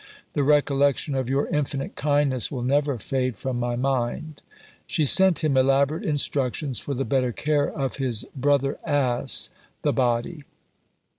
The recollection of your infinite kindness will never fade from my mind." She sent him elaborate instructions for the better care of his "Brother Ass," the body.